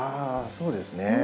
そうですね。